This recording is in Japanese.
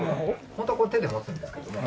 ホントはこう手で持つんですけども。